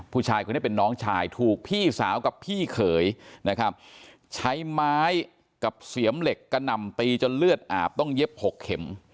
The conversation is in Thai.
ผู้ชายคนนี้เป็นน้องชายถูกพี่สาวกับพี่เขยนะครับใช้ไม้กับเสียมเหล็กกระหน่ำตีจนเลือดอาบต้องเย็บ๖เข็ม